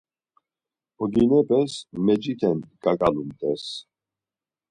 Oginepes meciten ǩaǩalumt̆es.